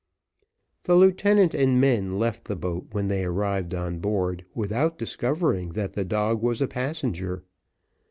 The lieutenant and men left the boat when they arrived on board, without discovering that the dog was a passenger.